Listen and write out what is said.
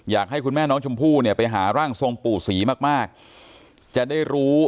อยากให้คุณแม่น้องชมพู่เนี่ยไปหาร่างทรงปู่ศรีมากมากจะได้รู้